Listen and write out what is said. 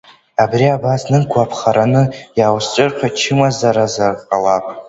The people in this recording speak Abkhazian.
Абри абас знык гәаԥхараны иааузцәырҟьо чымазаразар ҟалап.